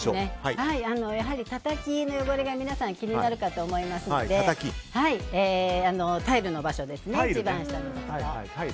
やはりたたきの汚れが皆さん気になるかと思いますのでタイルの場所ですね一番下のところ。